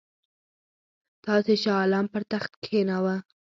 تاسي شاه عالم پر تخت کښېناوه.